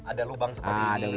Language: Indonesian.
ada lubang seperti ini